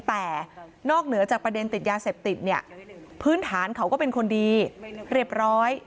แต่นอกเหนือจากประเด็นติดยาเสพติดเนี่ยพื้นฐานเขาก็เป็นคนดีเรียบร้อย